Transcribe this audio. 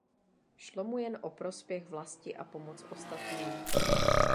Šlo mu jen o prospěch vlasti a pomoc ostatním.